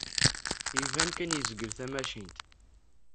Iban kan yezgel tamacint.